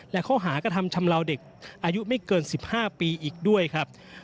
และข้อหากระทำชำลาวเด็กอายุไม่เกิน๑๕ปีอีกด้วยครับ